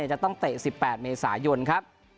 จะต้องเตะ๑๘เมษายนครับ